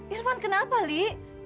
irfan kenapa li